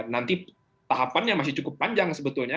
nanti tahapannya masih cukup panjang sebetulnya